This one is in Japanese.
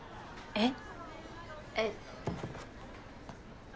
えっ？